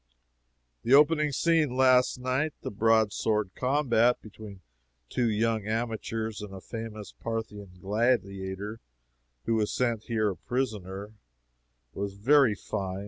"The opening scene last night the broadsword combat between two young amateurs and a famous Parthian gladiator who was sent here a prisoner was very fine.